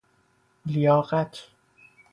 لیاقت